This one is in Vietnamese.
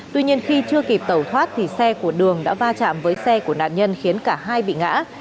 tuy nhiên khi chưa kịp tẩu thoát thì xe của đường đã va chạm với xe của nạn nhân khiến cả hai bị ngã